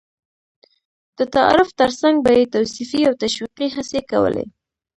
د تعارف تر څنګ به یې توصيفي او تشويقي هڅې کولې.